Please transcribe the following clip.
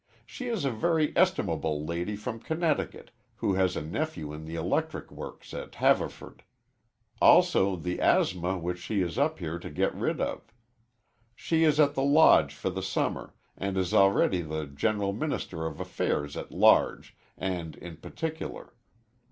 She is a very estimable lady from Connecticut who has a nephew in the electric works at Haverford; also the asthma, which she is up here to get rid of. She is at the Lodge for the summer, and is already the general minister of affairs at large and in particular.